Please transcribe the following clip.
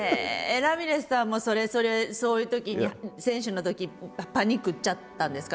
ラミレスさんもそれそういうときに選手のときパニクっちゃったんですか？